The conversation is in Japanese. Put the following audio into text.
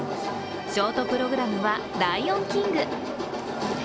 ショートプログラムは「ライオン・キング」。